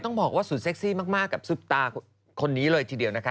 ต้องบอกว่าสุดเซ็กซี่มากกับซุปตาคนนี้เลยทีเดียวนะคะ